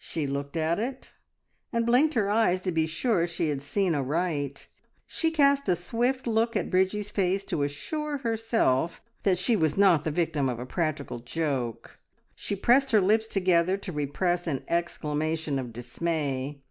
She looked at it, and blinked her eyes to be sure she had seen aright. She cast a swift look at Bridgie's face to assure herself that she was not the victim of a practical joke. She pressed her lips together to repress an exclamation of dismay.